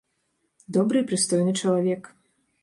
Добры і прыстойны чалавек.